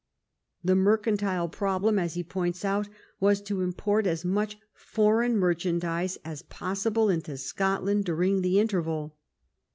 The mercantile problem, as he points out, was to import as much foreign merchandise as possible into Scotland during the interval.